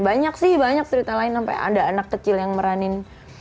banyak sih banyak cerita lain sampai ada anak kecil yang meranin